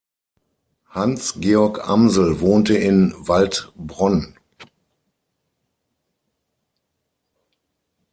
Hans Georg Amsel wohnte in Waldbronn.